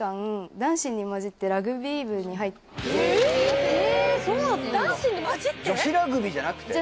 女子ラグビーじゃなくて？